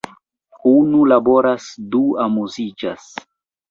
Unu laboras du amuziĝas!